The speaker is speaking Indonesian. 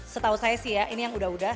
setahu saya sih ya ini yang udah udah